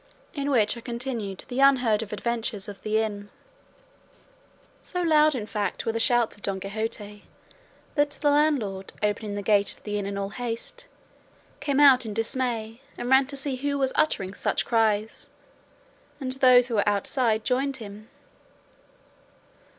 IN WHICH ARE CONTINUED THE UNHEARD OF ADVENTURES OF THE INN So loud, in fact, were the shouts of Don Quixote, that the landlord opening the gate of the inn in all haste, came out in dismay, and ran to see who was uttering such cries, and those who were outside joined him.